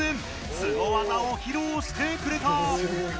スゴ技を披露してくれた！